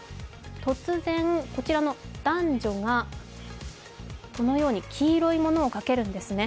突然、こちらの男女が黄色いものをかけるんですね。